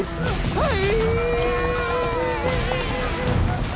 はい！